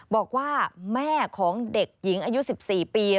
บอกว่าแม่ของเด็กหญิงอายุ๑๔ปี